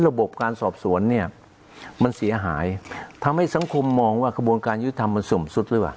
ระบบการสอบสรรเนี้ยมันเสียหายทำให้สังคมมองว่าขบวนการยุทธรรมมันสมสุข